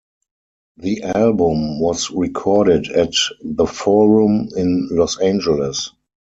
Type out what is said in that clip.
The album was recorded at The Forum in Los Angeles.